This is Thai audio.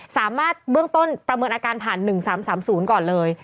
สามารถเบื้องต้นประเมินอาการผ่าน๑๓๓๐ก่อนเลย